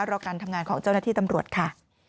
รอการทำงานของเจ้าหน้าที่ตำรวจค่ะ